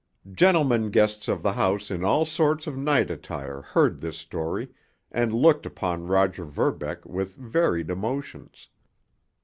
Gentlemen guests of the house in all sorts of night attire heard this story and looked upon Roger Verbeck with varied emotions.